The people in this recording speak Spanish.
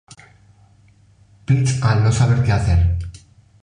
Peach al no saber que hacer.